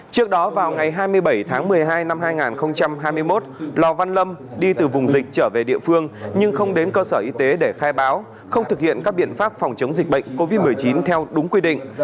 trước đó vào ngày hai mươi bảy tháng một mươi hai năm hai nghìn hai mươi một lò văn lâm đi từ vùng dịch trở về địa phương nhưng không đến cơ sở y tế để khai báo không thực hiện các biện pháp phòng chống dịch bệnh covid một mươi chín theo đúng quy định